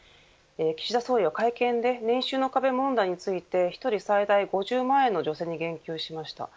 岸田総理は会見で年収の壁問題について１人最大５０万円の助成に言及しました。